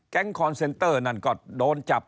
คอนเซนเตอร์นั่นก็โดนจับ